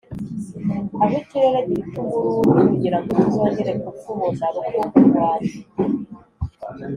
aho ikirere gifite ubururu kugirango tuzongere kukubona, rukundo rwanjye